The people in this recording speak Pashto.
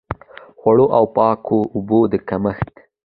خوړو او پاکو اوبو د کمښت.